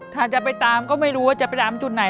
ถ้าจะไปตามก็ไม่รู้ว่าจะไปตามจุดไหน